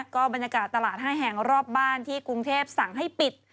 ก็บรรยากาศตลาด๕แห่งรอบบ้านที่กรุงเทพสั่งให้ปิด